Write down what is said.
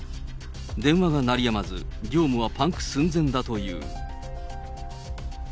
電話が鳴りやまず、業務はパンク寸前だという。